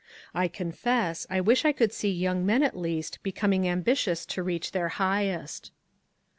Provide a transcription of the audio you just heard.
I confess, I wish I could see young men, at least, becoming ambitious to reach their highest."